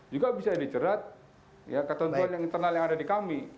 juga bisa dicerat ketentuan yang internal yang ada di kami